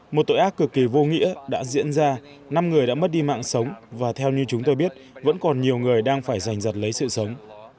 một tội ác cực kỳ vô nghĩa đã diễn ra năm người đã mất đi mạng sống và theo như chúng tôi biết vẫn còn nhiều người đang phải giành giật lấy sự sống